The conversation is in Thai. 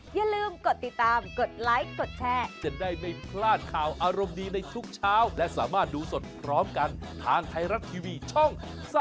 อย่าลืมกดติดตามกดไลค์กดแชร์จะได้ไม่พลาดข่าวอารมณ์ดีในทุกเช้าและสามารถดูสดพร้อมกันทางไทยรัฐทีวีช่อง๓๒